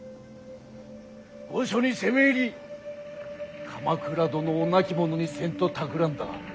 御所に攻め入り鎌倉殿を亡き者にせんとたくらんだ。